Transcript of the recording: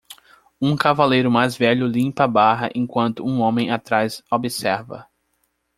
Um cavalheiro mais velho limpa a barra enquanto um homem atrás observa.